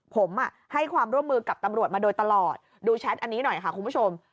ผมให้ความร่วมมือกับตำรวจมาโดยตลอดดูแชทอันนี้หน่อยค่ะคุณผู้ชม